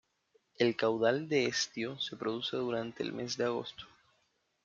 El caudal de estío se produce durante el mes de agosto.